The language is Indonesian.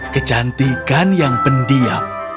kecantikan yang pendiam